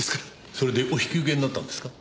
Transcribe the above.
それでお引き受けになったんですか？